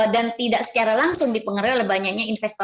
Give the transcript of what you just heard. dan tidak secara langsung dipengaruhi oleh banyaknya investor